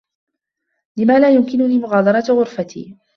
لم لا يمكنني مغادرة غرفتي؟